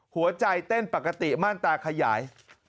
หัวใจเต้นปกติมั่นตาขยาย